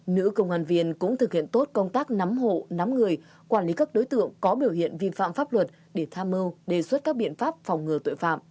nữ công an viên cũng thực hiện tốt công tác nắm hộ nắm người quản lý các đối tượng có biểu hiện vi phạm pháp luật để tham mưu đề xuất các biện pháp phòng ngừa tội phạm